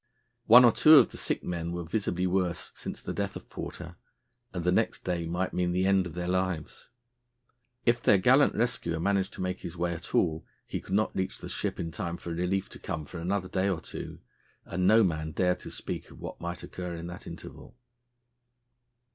One or two of the sick men were visibly worse since the death of Porter, and the next day might mean the end of their lives. If their gallant rescuer managed to make his way at all, he could not reach the ship in time for relief to come for another day or two, and no man dared to speak of what might occur in that interval.